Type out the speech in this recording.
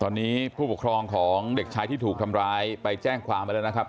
ตอนนี้ผู้ปกครองของเด็กชายที่ถูกทำร้ายไปแจ้งความไว้แล้วนะครับ